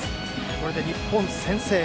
これで日本、先制。